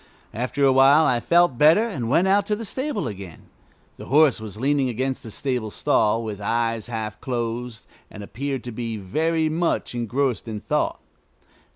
After a while I felt better, and went out to the stable again. The horse was leaning against the stable stall, with eyes half closed, and appeared to be very much engrossed in thought.